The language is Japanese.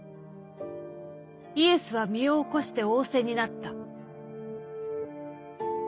イエスは身を起こして仰せになった」。